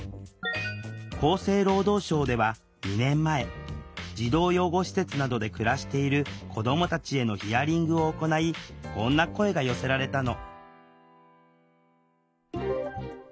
厚生労働省では２年前児童養護施設などで暮らしている子どもたちへのヒアリングを行いこんな声が寄せられたの。